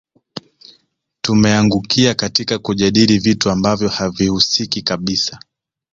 Tumeangukia katika kujadili vitu ambavyo havihusiki kabisa